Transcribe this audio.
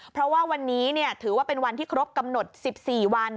เพราะว่าวันนี้ถือว่าเป็นวันที่ครบกำหนด๑๔วัน